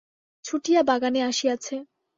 ছুটিয়া বাগানে আসিয়াছে।